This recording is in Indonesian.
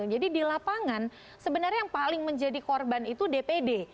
jadi di lapangan sebenarnya yang paling menjadi korban itu dpd